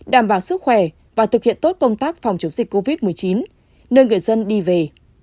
đảm bảo sức khỏe và thực hiện tốt công tác phòng chống dịch covid một mươi chín nơi người dân đi về